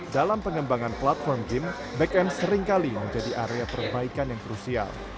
dalam pengembangan platform gym back end seringkali menjadi area perbaikan yang krusial